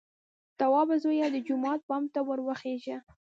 _توابه زويه! د جومات بام ته ور وخېژه!